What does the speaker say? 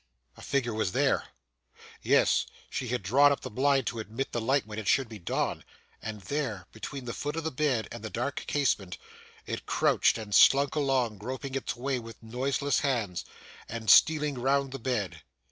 A figure was there. Yes, she had drawn up the blind to admit the light when it should be dawn, and there, between the foot of the bed and the dark casement, it crouched and slunk along, groping its way with noiseless hands, and stealing round the bed.